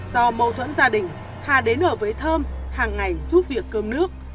do mâu thuẫn gia đình hà đến ở với thơm hàng ngày giúp việc cơm nước